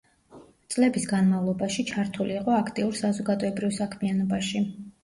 წლების განმავლობაში ჩართული იყო აქტიურ საზოგადოებრივ საქმიანობაში.